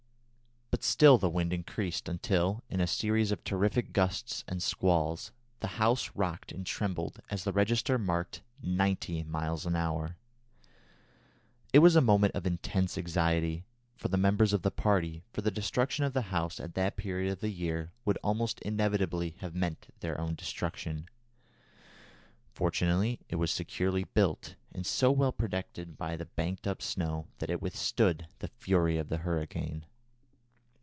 But still the wind increased until, in a series of terrific gusts and squalls, the house rocked and trembled as the register marked ninety miles an hour. It was a moment of intense anxiety for the members of the party, for the destruction of the house at that period of the year would almost inevitably have meant their own destruction. Fortunately it was securely built and so well protected by the banked up snow, that it withstood the fury of the hurricane.